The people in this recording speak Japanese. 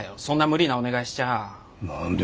そんな無理なお願いしちゃあ。